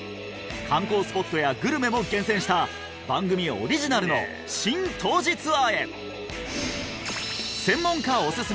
観光スポットやグルメも厳選した番組オリジナルの新・湯治ツアーへ！